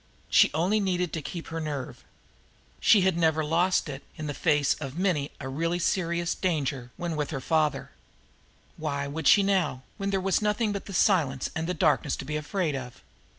She only needed to keep her nerve. She had never lost it in the face of many a really serious danger when with her father why should she now, when there was nothing but the silence and the darkness to be afraid of!